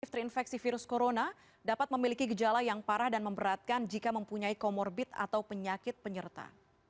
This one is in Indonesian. terinfeksi virus corona dapat memiliki gejala yang parah dan memberatkan jika mempunyai comorbid atau penyakit penyerta